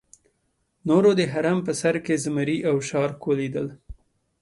نورو د هرم په سر کې زمري او شارک ولیدل.